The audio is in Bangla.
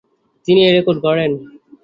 তিনি এ রেকর্ড গড়েন।